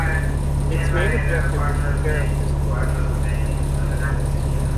Its main objective is the care of disabilities and the training of specialists.